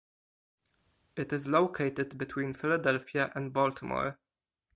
It is located between Philadelphia and Baltimore.